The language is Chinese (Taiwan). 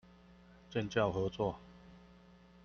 建教合作